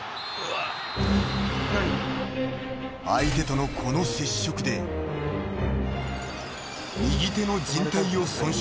［相手とのこの接触で右手の］